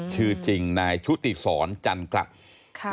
ชื่อจริงนายชุติศรจันกลัดค่ะ